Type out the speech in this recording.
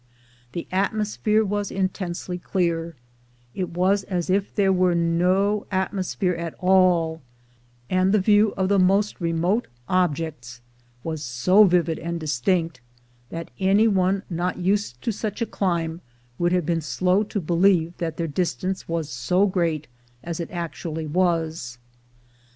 The atmosphere was intensely clear; it was as if there were no atmos phere at all, and the view of the most remote objects was so vivid and distinct that any one not used to such a clime would have been slow to believe that their distance was so great as it actually was.